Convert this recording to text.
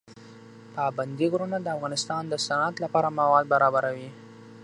پابندی غرونه د افغانستان د صنعت لپاره مواد برابروي.